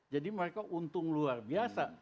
jadi mereka untung luar biasa